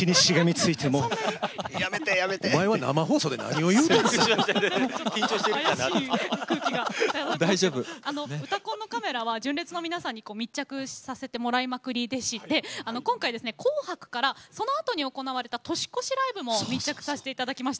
実は「うたコン」のカメラ純烈の皆さんに密着させてもらいまくりでして今回、「紅白」からそのあとに行われた年越しライブも密着しました。